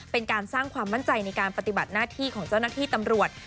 เป็นการสร้างความมั่นใจในการปฏิบัติหน้าที่ของเจ้าหน้าที่ตำรวจ